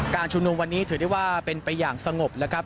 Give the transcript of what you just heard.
ชุมนุมวันนี้ถือได้ว่าเป็นไปอย่างสงบแล้วครับ